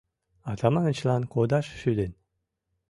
Атаманычланат кодаш шӱден.